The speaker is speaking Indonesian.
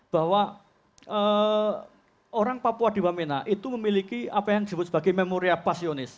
bahwa orang papua di wamena itu memiliki apa yang disebut sebagai memoria passionis